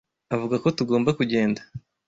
Avuga ko tugomba kugenda.